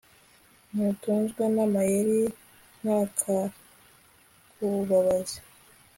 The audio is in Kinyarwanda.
n'utunzwe n'amayeri ntakakubabaze